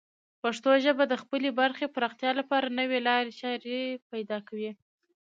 پښتو ژبه د خپلې برخې پراختیا لپاره نوې لارې چارې پیدا کوي.